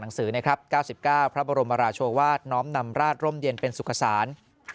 สือนะครับ๙๙พระบรมราชวาสน้อมนำราชร่มเย็นเป็นสุขศาล